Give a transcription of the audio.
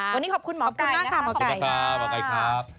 วันนี้ขอบคุณหมอไก่ขอบคุณมากค่ะหมอไก่ครับ